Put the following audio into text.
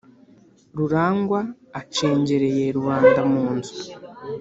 rurangwa acengereye rubanda munzu.